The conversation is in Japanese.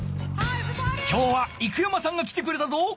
今日は生山さんが来てくれたぞ。